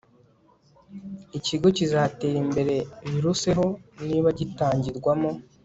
Ikigo kizatera imbere biruseho niba gitangirwamo